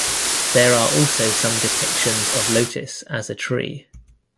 There are also some depictions of Lotis as a tree.